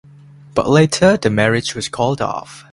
But later the marriage was called off.